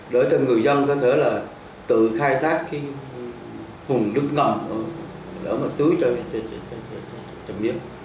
đối với người dân có thể là tự khai thác hùng nước ngầm để tưới cho miếng